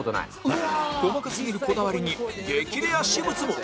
細かすぎるこだわりに激レア私物も